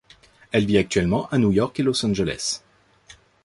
Elle vit actuellement à New York et Los Angeles.